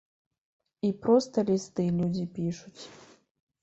І проста лісты людзі пішуць.